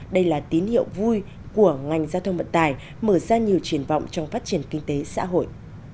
đây là tín hiệu vui của ngành giao thông vận tải mở ra nhiều triển vọng trong phát triển kinh tế xã hội